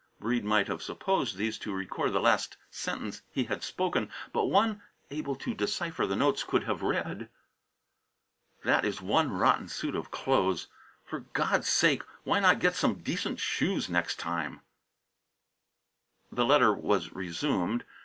Breede might have supposed these to record the last sentence he had spoken, but one able to decipher the notes could have read: "That is one rotten suit of clothes. For God's sake, why not get some decent shoes next time " The letter was resumed.